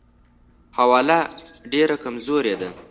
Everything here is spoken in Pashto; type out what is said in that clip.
حواله ډېره کمزورې ده.